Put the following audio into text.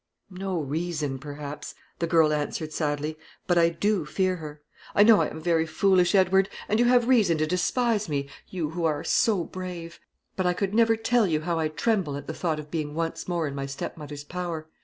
"No reason, perhaps," the girl answered, sadly; "but I do fear her. I know I am very foolish, Edward, and you have reason to despise me, you who are so brave. But I could never tell you how I tremble at the thought of being once more in my stepmother's power.